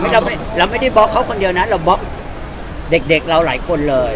เราไม่ได้บล็อกเขาคนเดียวนะเราบล็อกเด็กเราหลายคนเลย